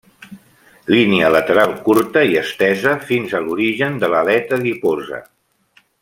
Línia lateral curta i estesa fins a l'origen de l'aleta adiposa.